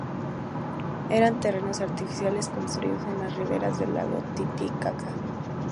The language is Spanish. Eran terrenos artificiales construidos en las riberas del lago Titicaca.